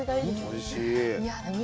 おいしい。